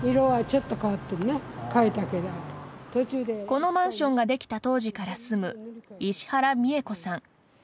このマンションができた当時から住む、石原美重子さん。